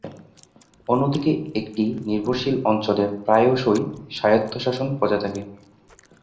অন্যদিকে, একটি নির্ভরশীল অঞ্চলে প্রায়শই স্বায়ত্তশাসন বজায় থাকে।